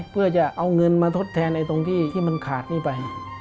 เพื่อจะเอาเงินมาทดแทนในตรงที่ที่มันขาดไป